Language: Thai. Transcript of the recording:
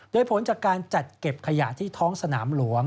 โดยผลจากการจัดเก็บขยะที่ท้องสนามหลวง